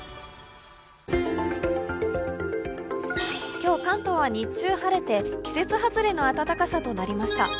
今日関東は、日中晴れて季節外れの暖かさとなりました。